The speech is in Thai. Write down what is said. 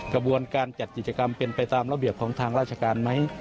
กระบวนการจัดกิจกรรมเป็นไปตามระเบียบของทางราชการไหม